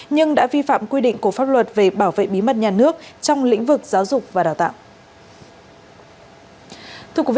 nhưng đã vi phạm quy định của pháp luật về bảo vệ bí mật nhà nước trong lĩnh vực giáo dục và đào tạo